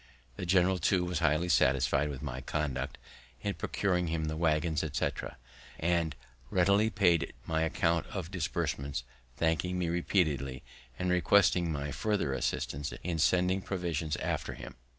The general, too, was highly satisfied with my conduct in procuring him the waggons, etc., and readily paid my account of disbursements, thanking me repeatedly, and requesting my farther assistance in sending provisions after him.